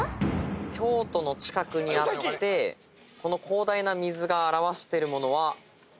京都の近くにあってこの広大な水が表してるものは。